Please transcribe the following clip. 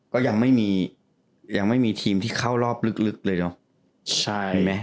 ก็ยังไม่มีทีมที่เข้ารอบลึกเลยเนอะ